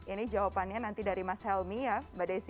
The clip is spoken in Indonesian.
ini jawabannya nanti dari mbak desy